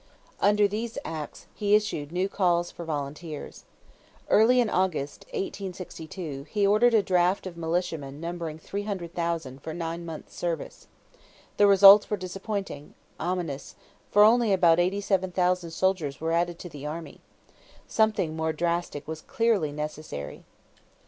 Under these acts, he issued new calls for volunteers. Early in August, 1862, he ordered a draft of militiamen numbering 300,000 for nine months' service. The results were disappointing ominous for only about 87,000 soldiers were added to the army. Something more drastic was clearly necessary.